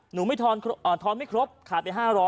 หนูไม่ทอนไม่ครบขาดไป๕๐๐